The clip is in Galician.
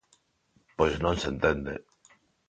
Pois non se entende.